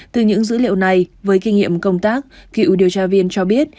từ những dữ liệu này với kinh nghiệm công tác cựu điều tra viên cho biết